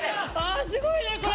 あすごいねこれね！